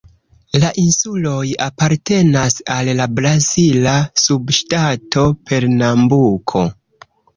La insuloj apartenas al la brazila subŝtato Pernambuko.